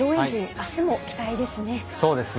あすも期待ですね。